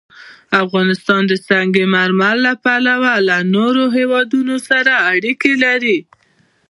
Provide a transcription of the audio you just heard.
افغانستان د سنگ مرمر له پلوه له نورو هېوادونو سره اړیکې لري.